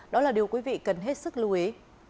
đó là điều quý vị cần hết sức lưu ý